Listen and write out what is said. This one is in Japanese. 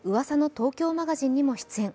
東京マガジン」にも出演。